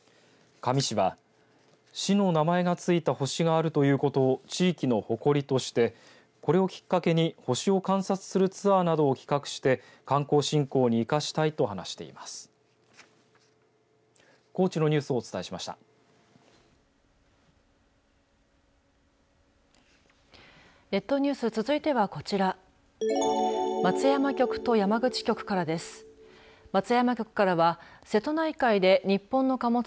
香美市は、市の名前がついた星があるということを地域の誇りとしてこれをきっかけに星を観察するツアーなどを企画して観光振興に生かしたいと話しています。